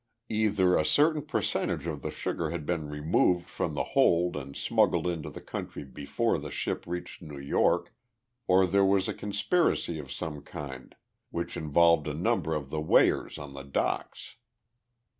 Either a certain percentage of the sugar had been removed from the hold and smuggled into the country before the ship reached New York, or there was a conspiracy of some kind which involved a number of the weighers on the docks.